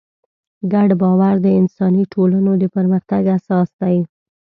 ګډ باور د انساني ټولنو د پرمختګ اساس دی.